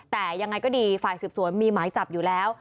แต่ยังไงก็ดีฝ่ายสืบสวนมีหมายจับอยู่แล้ว